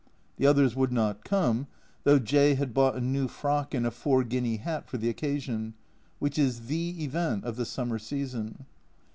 The others would not come, though J had bought a new frock and a four guinea hat for the occasion, which is the event of the summer season.